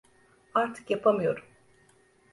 Artık yapamıyorum.